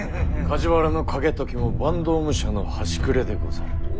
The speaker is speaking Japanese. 梶原景時も坂東武者の端くれでござる。